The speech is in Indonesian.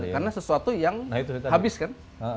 karena sesuatu yang habis kan